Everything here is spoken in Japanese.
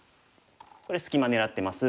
これ隙間狙ってます。